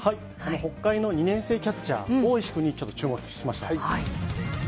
北海の２年生キャッチャー大石君に注目しました。